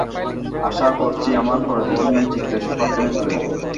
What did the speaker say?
আশা করছি, আমরা পরের দুটো ম্যাচ জিতে সুপার টেনে চলে যাব।